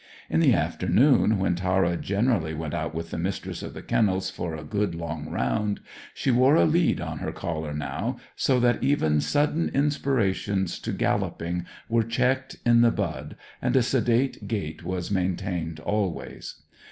In the afternoon, when Tara generally went out with the Mistress of the Kennels for a good long round, she wore a lead on her collar now, so that even sudden inspirations to galloping were checked in the bud, and a sedate gait was maintained always.